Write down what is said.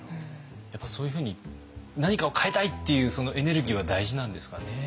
そういうふうに何かを変えたいっていうエネルギーは大事なんですかね。